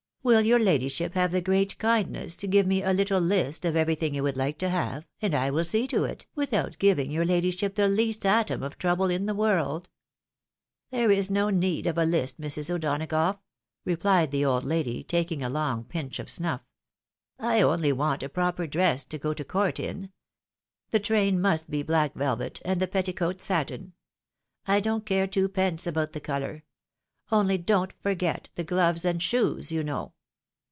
Will your ladyship have the great kindness to give me a little list of everything you would like to have, and I will see to it, without giving your ladyship the least atom of trouble in the world "?" There is no need of a list, Mrs. O'Donagough,'' replied the old lady, taking a long pinch of snuff; "I only want a proper dress to go to court in. The train must be black velvet, and the petticoat' satin ; I don't care twopence about the colour. Only don't forget the gloves and shoes, you know."